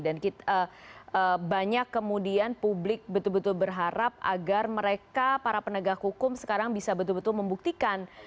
dan banyak kemudian publik betul betul berharap agar mereka para penegak hukum sekarang bisa betul betul membuktikan